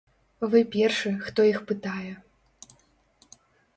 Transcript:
Вы першы, хто іх пытае.